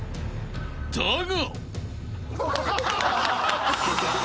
［だが］